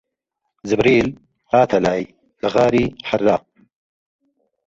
جیبریل هاتە لای لە غاری حەرا